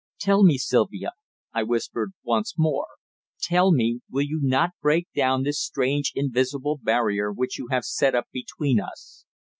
"Tell me, Sylvia," I whispered once more. "Tell me, will you not break down this strange invisible barrier which you have set up between us?